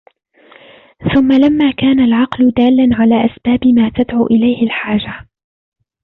ثُمَّ لَمَّا كَانَ الْعَقْلُ دَالًا عَلَى أَسْبَابِ مَا تَدْعُو إلَيْهِ الْحَاجَةُ